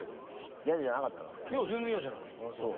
いや全然嫌じゃない。